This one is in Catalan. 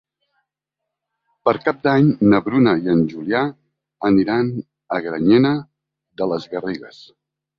Per Cap d'Any na Bruna i en Julià aniran a Granyena de les Garrigues.